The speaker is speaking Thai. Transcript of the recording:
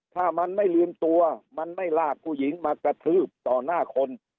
ถ้ามันไม่ลืมตัวมันไม่ลากผู้หญิงมากระทืบต่อหน้าคน